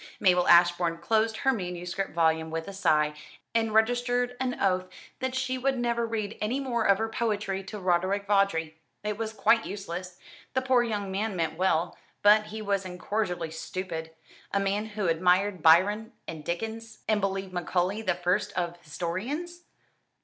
Mabel Ashbourne closed her manuscript volume with a sigh, and registered an oath that she would never read any more of her poetry to Roderick Vawdrey. It was quite useless. The poor young man meant well, but he was incorrigibly stupid a man who admired Byron and Dickens, and believed Macaulay the first of historians.